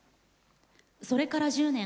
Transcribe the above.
それから１０年。